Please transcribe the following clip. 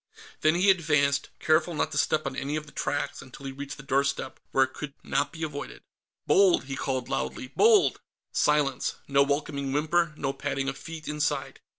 Then he advanced, careful not to step on any of the tracks until he reached the doorstep, where it could not be avoided. "Bold!" he called loudly. "Bold!" Silence. No welcoming whimper, no padding of feet, inside.